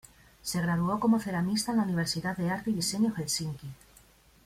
Se graduó como ceramista en la Universidad de Arte y Diseño Helsinki.